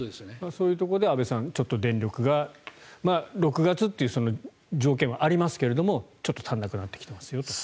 そういうところでちょっと電力が６月という条件はありますがちょっと足りなくなってきますよと。